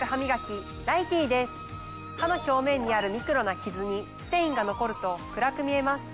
歯の表面にあるミクロなキズにステインが残ると暗く見えます。